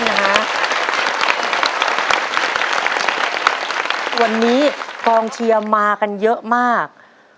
พคุณครูสวัสดีวันนี้กองเชียร์มากันเยอะมาก